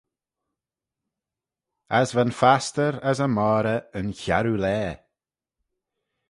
As va'n fastyr as y moghrey yn chiarroo laa.